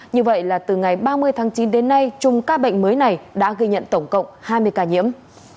như vậy là từ ngày ba mươi tháng chín đến nay chùm ca bệnh mới này đã ghi nhận tổng cộng hai mươi ca nhiễm